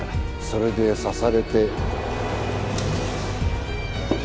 それで刺されて